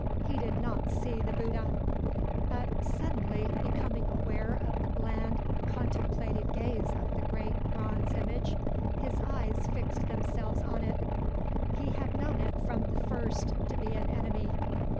He did not see the Bouddha. But, suddenly becoming aware of the bland contemplative gaze of the great bronze image, his eyes fixed themselves on it. He had known it from the first to be an enemy.